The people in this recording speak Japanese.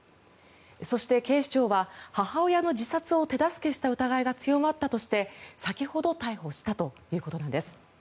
そして、警視庁は母親の自殺を手助けした疑いが強まったとして先ほど逮捕したということなんです。